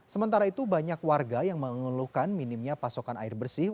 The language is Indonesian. sementara itu banyak warga yang mengeluhkan minimnya pasokan air bersih